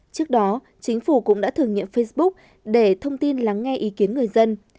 trước đó chính phủ cũng đã thử nghiệm facebook để thông tin lắng nghe ý kiến người dân